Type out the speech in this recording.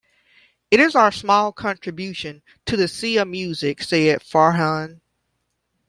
It is our small contribution to the sea of music, said Farhan.